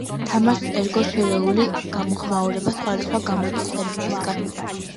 თამაშს ერგო შერეული გამოხმაურება სხვადასხვა გამოცემებისგან.